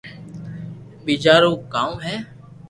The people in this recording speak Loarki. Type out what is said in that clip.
ٻيجا رو ڪانو ھي